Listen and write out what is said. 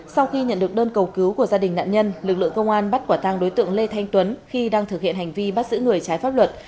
sau khi nhận được đơn cầu cứu của gia đình nạn nhân lực lượng công an bắt quả tang đối tượng lê thanh tuấn khi đang thực hiện hành vi bắt giữ người trái pháp luật